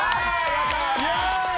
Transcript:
やった！